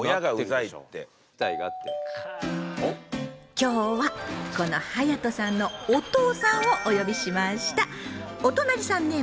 今日はこのはやとさんのお父さんをお呼びしました。